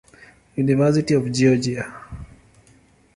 University of Georgia.